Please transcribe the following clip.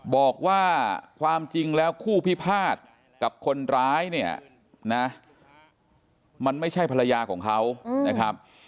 บอกว่าความจริงแล้วคู่พิพาทกับคนร้ายเนี่ยนะมันไม่ใช่ภรรยาของเขานะครับ